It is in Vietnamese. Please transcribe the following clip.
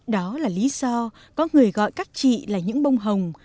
đó là lý do có người gọi các chị là những bông hồng